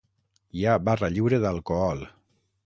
Hi ha barra lliure d'alcohol.